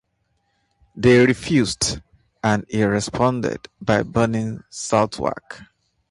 They refused, and he responded by burning Southwark.